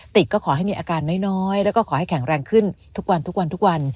ก็ขอให้มีอาการน้อยแล้วก็ขอให้แข็งแรงขึ้นทุกวันทุกวันทุกวัน